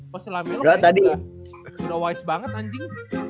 pas si lame lobo kayaknya udah wise banget anjing